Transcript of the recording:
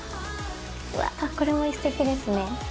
うわこれもステキですね。